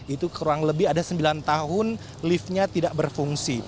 itu kurang lebih ada sembilan tahun liftnya tidak berfungsi